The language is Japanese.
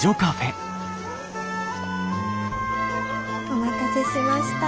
お待たせしました。